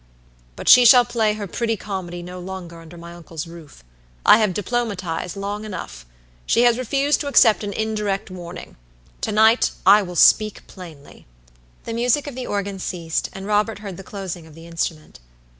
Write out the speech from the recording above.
But she shall play her pretty comedy no longer under my uncle's roof. I have diplomatized long enough. She has refused to accept an indirect warning. To night I will speak plainly." The music of the organ ceased, and Robert heard the closing of the instrument.